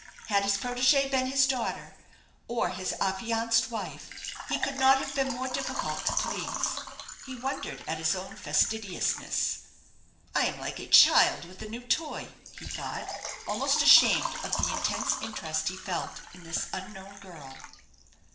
Had his protégée been his daughter, or his affianced wife, he could not have been more difficult to please. He wondered at his own fastidiousness. "I am like a child with a new toy," he thought, almost ashamed of the intense interest he felt in this unknown girl.